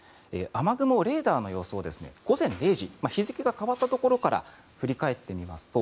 雨雲レーダーの様子を午前０時日付が変わったところから振り返ってみますと